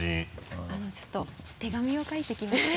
ちょっと手紙を書いてきまして。